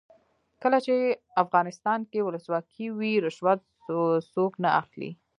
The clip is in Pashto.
کله چې افغانستان کې ولسواکي وي رشوت څوک نه اخلي.